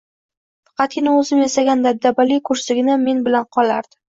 Faqatgina o`zim yasagan dabdabali kursigina men bilan qolardi